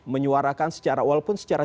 menyuarakan secara walaupun secara